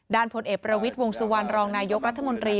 ด้านพลเอกประวิดวงสุวรรณรองนายกรรภ์รัฐมนตรี